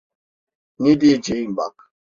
Ne diyeceğim bak.